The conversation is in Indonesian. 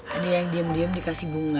ada yang diam diam dikasih bunga